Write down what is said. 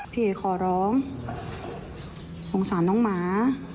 เพย์ขอร้องสงสารน้องหมา